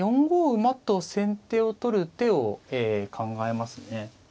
４五馬と先手を取る手を考えますね。